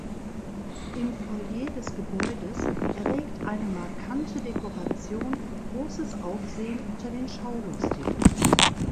Im Foyer des Gebäudes erregt eine markante Dekoration großes Aufsehen unter den Schaulustigen.